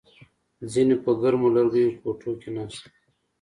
ځینې په ګرمو لرګیو کوټو کې ناست وي